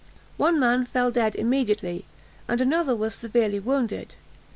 One man fell dead immediately, and another was severely wounded.